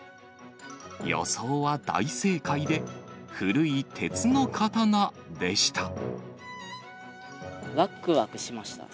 予想は大正解で、古い鉄の刀わくわくしました。